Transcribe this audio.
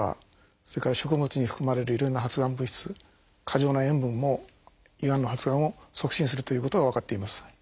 それから食物に含まれるいろんな発がん物質過剰な塩分も胃がんの発がんを促進するということが分かっています。